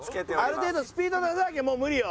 ある程度スピード出さなきゃもう無理よ。